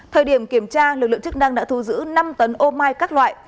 thời điểm kiểm tra lực lượng chức năng đã thu giữ năm tấn ômai các loại